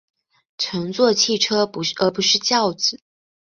乘坐汽车而不是轿子